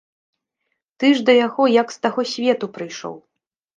Ты ж да яго як з таго свету прыйшоў.